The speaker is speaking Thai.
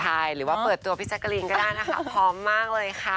ใช่หรือว่าเปิดตัวพี่แจกรีนก็ได้นะคะพร้อมมากเลยค่ะ